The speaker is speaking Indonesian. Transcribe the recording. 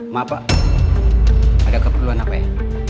maaf pak ada keperluan apa ini